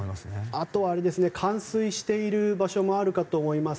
あとは、冠水している場所もあるかと思います。